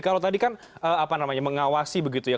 kalau tadi kan mengawasi begitu ya